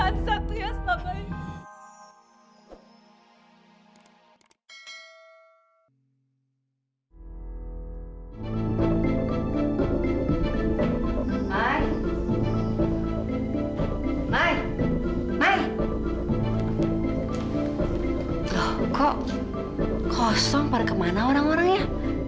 loh kok kosong pada kemana orang orangnya